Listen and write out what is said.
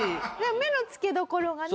目の付けどころがね。